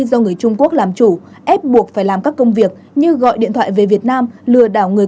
do người trung quốc làm chủ ép buộc phải làm các công việc như gọi điện thoại về việt nam lừa đảo người